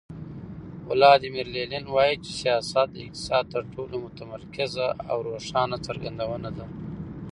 ولادیمیر لینین وایي چې سیاست د اقتصاد تر ټولو متمرکزه او روښانه څرګندونه ده.